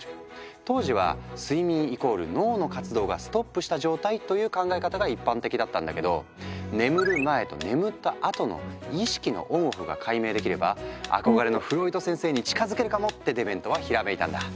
当時は睡眠＝脳の活動がストップした状態という考え方が一般的だったんだけど「眠る前と眠ったあとの意識のＯＮＯＦＦが解明できれば憧れのフロイト先生に近づけるかも！」ってデメントはひらめいたんだ。